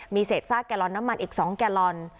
มีเศษซากแกลลอนน้ำมันอีก๒แกลลอน